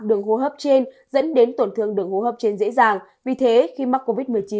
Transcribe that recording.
đường hô hấp trên dẫn đến tổn thương đường hô hấp trên dễ dàng vì thế khi mắc covid một mươi chín